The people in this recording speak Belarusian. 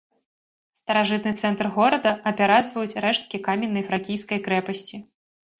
Старажытны цэнтр горада апяразваюць рэшткі каменнай фракійскай крэпасці.